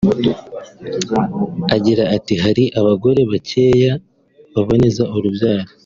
Agira ati “Hari abagore bakeya baboneza urubyaro